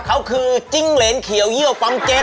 ก็คือจิ้งเหรียญเขียวเยี่ยวปั๊มเจ็ด